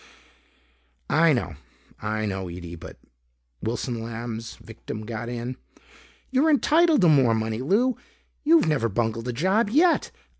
"I know, I know, Ede but " Wilson Lamb's victim got in. "You're entitled to more money, Lou! You've never bungled a job yet.